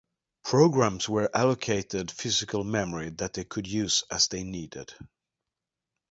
Programs were allocated physical memory that they could use as they needed.